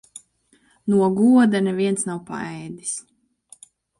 No goda neviens nav paēdis.